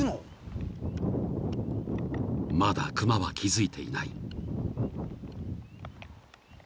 ［まだ熊は気付いていない］